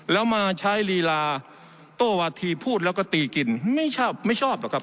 แล้วมาใช้ลีลาโต้วาธีพูดแล้วก็ตีกินไม่ชอบไม่ชอบหรอกครับ